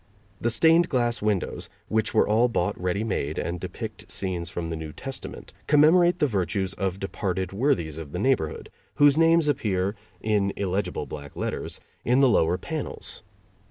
The stained glass windows, which were all bought ready made and depict scenes from the New Testament, commemorate the virtues of departed worthies of the neighborhood, whose names appear, in illegible black letters, in the lower panels.